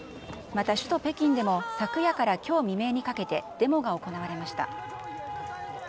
また首都北京でも、昨夜からきょう未明にかけてデモが行われました。